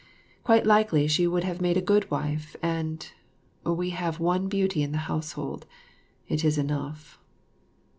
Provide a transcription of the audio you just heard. Quite likely she would have made a good wife; and we have one beauty in the household it is enough.